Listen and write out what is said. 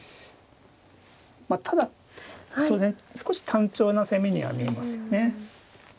まあただ少し単調な攻めには見えますよね。